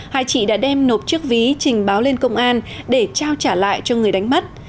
hai chị đã đem nộp chiếc ví trình báo lên công an để trao trả lại cho người đánh mất